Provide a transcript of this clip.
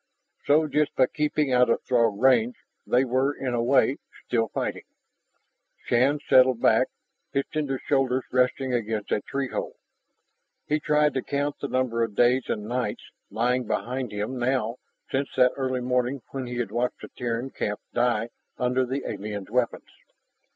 So just by keeping out of Throg range, they were, in a way, still fighting. Shann settled back, his tender shoulders resting against a tree hole. He tried to count the number of days and nights lying behind him now since that early morning when he had watched the Terran camp die under the aliens' weapons.